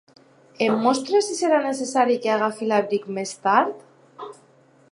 Em mostres si serà necessari que agafi l'abric més tard?